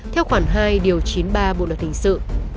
theo khoảng hai chín mươi ba bộ luật hình sự